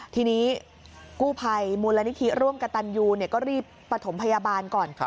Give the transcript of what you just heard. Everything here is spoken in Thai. ทีนี้กู้ภัยมูลนิธิร่วมกับตันยูก็รีบประถมพยาบาลก่อน